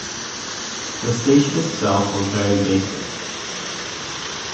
The station itself was very basic.